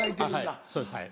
はいそうですはい。